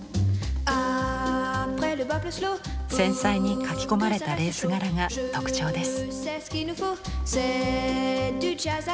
繊細に描き込まれたレース柄が特徴です。